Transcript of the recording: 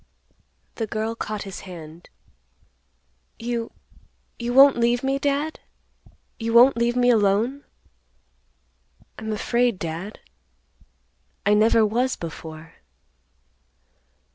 The girl caught his hand; "You—you won't leave me, Dad? You won't leave me alone? I'm afraid, Dad. I never was before."